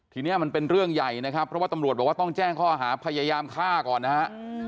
ทีนี้มันเป็นเรื่องใหญ่นะครับเพราะว่าตำรวจบอกว่าต้องแจ้งข้อหาพยายามฆ่าก่อนนะฮะ